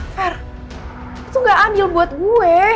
fer itu gak adil buat gue